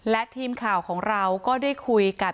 และทีมข่าวของเราก็ได้คุยกับ